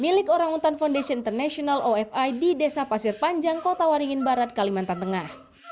milik orangutan foundation international ofi di desa pasir panjang kota waringin barat kalimantan tengah